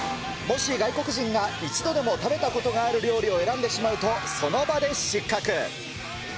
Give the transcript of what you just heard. もし外国人が一度でも食べたことがある料理を選んでしまうと、その場で失格。